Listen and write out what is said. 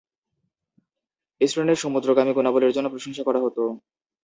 এই শ্রেণীর সমুদ্রগামী গুণাবলির জন্য প্রশংসা করা হতো।